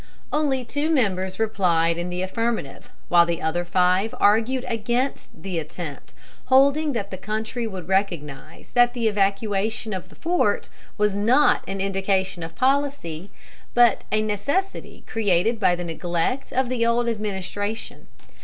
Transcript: Only two members replied in the affirmative, while the other five argued against the attempt, holding that the country would recognize that the evacuation of the fort was not an indication of policy, but a necessity created by the neglect of the old administration.